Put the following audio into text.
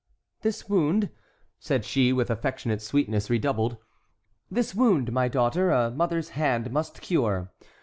"This wound," said she with affectionate sweetness redoubled, "this wound, my daughter, a mother's hand must cure.